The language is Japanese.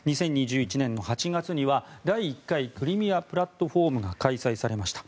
２０２１年の８月には、第１回クリミア・プラットフォームが開催されました。